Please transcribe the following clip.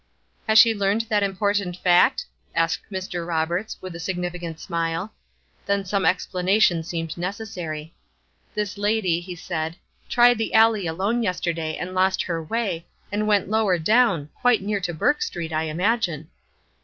"Has she learned that important fact?" asked Mr. Roberts, with a significant smile. Then some explanation seemed necessary. "This lady," he said, "tried the alley alone yesterday, and lost her way, and went lower down, quite near to Burk Street, I imagine."